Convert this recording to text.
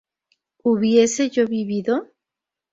¿hubiese yo vivido?